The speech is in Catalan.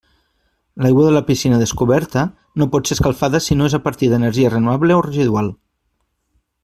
L'aigua de la piscina descoberta no pot ser escalfada si no és a partir d'energia renovable o residual.